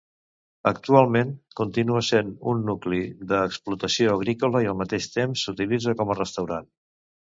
Actualment, continua sent un nucli d'explotació agrícola i al mateix temps, s'utilitza com a restaurant.